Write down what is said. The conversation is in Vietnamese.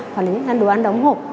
hoặc là những đồ ăn đóng hộp